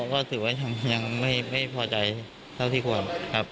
ก็ถือว่ายังไม่พอใจเท่าที่ควรครับ